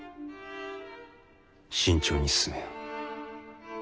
慎重に進めよ。